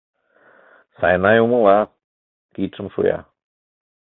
Сайнай умыла: кидшым шуя.